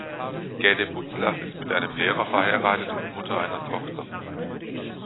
Gäde-Butzlaff ist mit einem Lehrer verheiratet und Mutter einer Tochter.